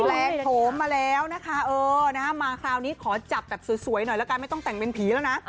แลกโธมาแล้วนะคะมาคราวนี้ขอจับสวยหน่อยนะคะไม่ต้องแต่งเป็นผีแล้วนะ